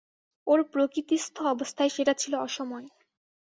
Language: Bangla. ওর প্রকৃতিস্থ অবস্থায় সেটা ছিল অসময়।